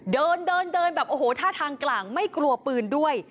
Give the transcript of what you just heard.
เดินเดินเดินแบบโอ้โหท่าทางกลางไม่กลัวปืนด้วย